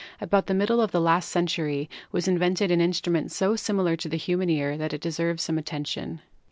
About the middle of the last century was invented an instrument so similar to the human ear that it deserves some attention.